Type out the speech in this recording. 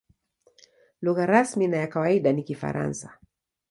Lugha rasmi na ya kawaida ni Kifaransa.